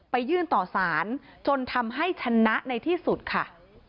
ยื่นต่อสารจนทำให้ชนะในที่สุดค่ะ